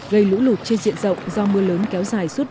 gây lũ lụt trên diện rộng do mưa lớn kéo dài